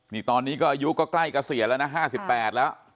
นี่ตอนนี้ก็อายุก็ใกล้เกษียณแล้วนะ๕๘แล้ว